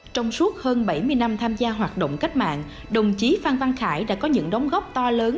trong suốt hơn bảy mươi năm tham gia hoạt động cách mạng đồng chí phan văn khải đã có những đóng góp to lớn